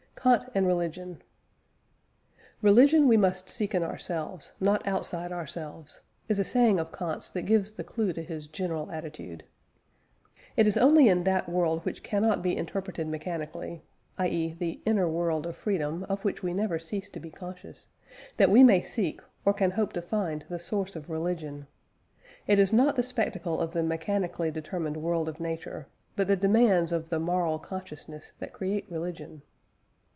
KANT AND RELIGION. "Religion we must seek in ourselves, not outside ourselves," is a saying of Kant's that gives the clue to his general attitude. It is only in that world which cannot be interpreted mechanically (i.e. the inner world of freedom of which we never cease to be conscious) that we may seek, or can hope to find the source of religion. It is not the spectacle of the mechanically determined world of nature, but the demands of the moral consciousness that create religion.